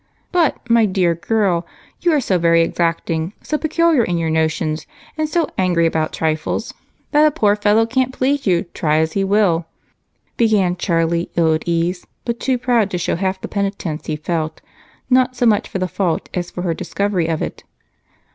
"But, my dear girl, you are so very exacting, so peculiar in your notions, and so angry about trifles that a poor fellow can't please you, try as he will," began Charlie, ill at ease, but too proud to show half the penitence he felt, not so much for the fault as for her discovery of it.